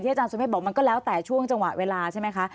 อาจารสุเมฆบอกมันก็แล้วแต่ช่วงจังหวะเวลาใช่ไหมคะ